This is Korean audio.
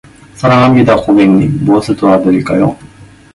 사랑합니다 고객님, 무엇을 도와드릴까요?